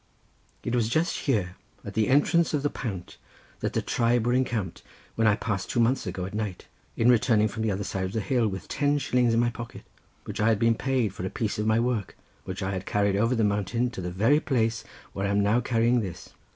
It was just here, at the entrance of the pant, that the tribe were encamped, when I passed two months ago at night, in returning from the other side of the hill with ten shillings in my pocket, which I had been paid for a piece of my work, which I had carried over the mountain to the very place where I am now carrying this.